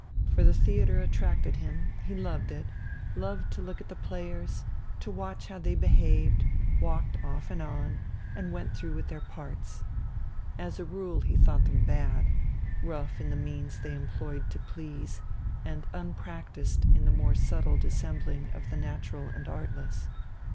For the theatre attracted him, he loved it, loved to look at the players, to watch how they behaved, walked off and on, and went through with their parts. As a rule he thought them bad, rough in the means they employed to please, and unpractised in the more subtle dissembling of the natural and artless.